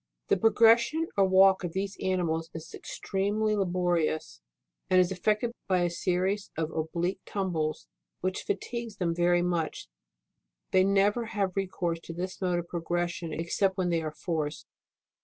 10. The progression or walk of these animals is extremely laborious, and is effected by a series of oblique tumbles, which fatigues them very much ; they never have recourse to this mode of progression, except when they are forced.